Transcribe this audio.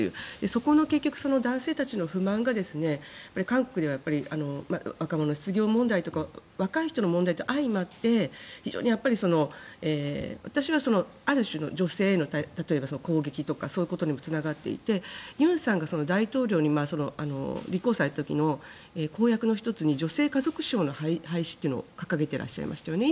そこの男性たちの不満が韓国では若者失業問題とか若い人の問題と相まって非常に、ある種の女性への例えば攻撃とかそういうことにもつながっていて尹さんが大統領に立候補された時の公約の１つに女性家族省の廃止というのを掲げていらっしゃいましたよね。